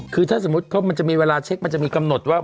คือถ้าสมมุติมันจะมีเวลาเช็คมันจะมีกำหนดว่า